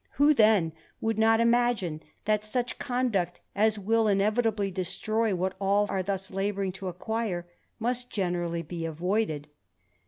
Who then would not jgg THE RAMBLER, ^gC that such conduct as will inevitably destroy what ^jl^ thus labouring to acquire, must generally be avoided?